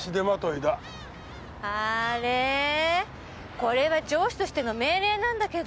これは上司としての命令なんだけど。